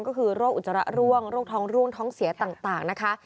ก็คือโรคอุจจาระร่วงโรคท้องร่วงท้องเสียต่างนะคะ